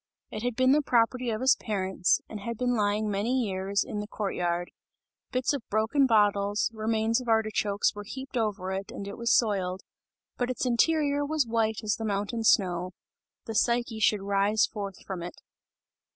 It had been the property of his parents, and had been lying many years, in the court yard; bits of broken bottles, remains of artichokes were heaped over it and it was soiled, but its interior was white as the mountain snow; the Psyche should rise forth from it.